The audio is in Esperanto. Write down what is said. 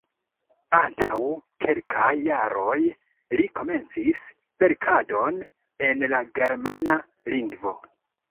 Antaŭ kelkaj jaroj li komencis verkadon en la germana lingvo.